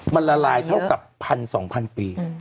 มันละลายเท่ากับ๑๒๐๐๐ปี